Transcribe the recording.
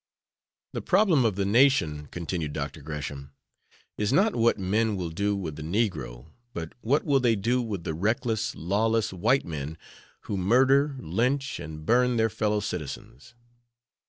"The problem of the nation," continued Dr. Gresham, "is not what men will do with the negro, but what will they do with the reckless, lawless white men who murder, lynch and burn their fellow citizens.